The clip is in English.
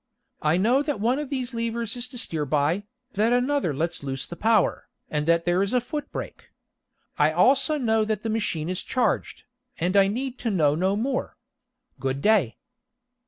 I know that one of these levers is to steer by, that another lets loose the power, and that there is a foot brake. I also know that the machine is charged, and I need to know no more. Good day."